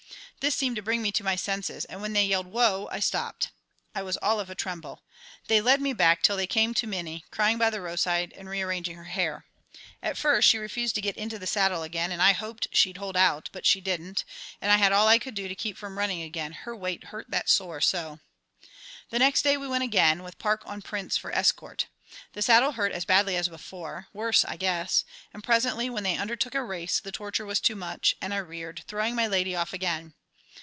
This seemed to bring me to my senses, and when they yelled, "Whoa," I stopped. I was all of a tremble. They led me back till they came to Minnie, crying by the roadside and rearranging her hair. At first she refused to get into the saddle again, and I hoped she'd hold out, but she didn't, and I had all I could do to keep from running again, her weight hurt that sore so. The next day we went again, with Park on Prince for escort. The saddle hurt as badly as before worse, I guess and presently, when they undertook a race, the torture was too much, and I reared, throwing my lady off again.